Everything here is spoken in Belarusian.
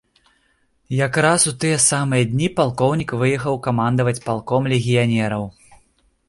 Якраз у тыя самыя дні палкоўнік выехаў камандаваць палком легіянераў.